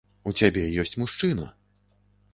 У цябе ёсць мужчына!